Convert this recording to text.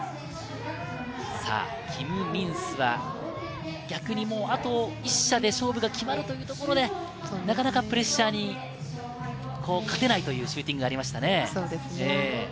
キム・ミンスは逆にあと１射で勝負が決まるというところでなかなかプレッシャーに勝てないというシューティングがありましたね。